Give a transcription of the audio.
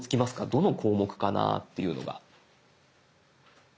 どの項目かなっていうのが。